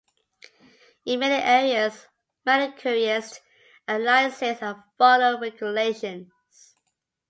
In many areas, manicurists are licensed and follow regulations.